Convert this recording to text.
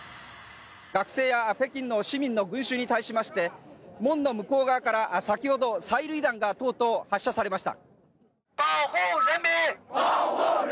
学生や北京の市民の群衆に対しまして門の向こう側から先ほど催涙弾がとうとう発射されました。